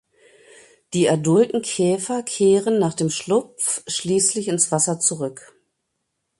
Die adulten Käfer kehren nach dem Schlupf schließlich ins Wasser zurück.